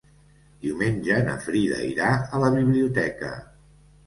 Diumenge na Frida irà a la biblioteca.